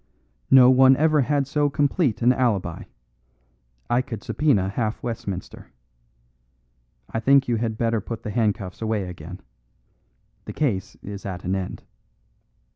No one ever had so complete an alibi; I could subpoena half Westminster. I think you had better put the handcuffs away again. The case is at an end.